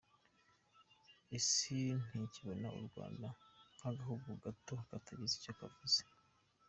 Isi ntikibona u Rwanda nk’agahugu gato katagize icyo kavuze.